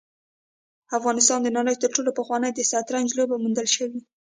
افغانستان د نړۍ تر ټولو پخوانی د شطرنج لوبه موندل شوې